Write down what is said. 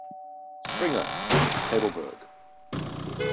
Springer (Heidelberg).